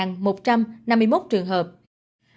đây là mức tăng ca nhiễm cộng đồng trong một tuần cao nhất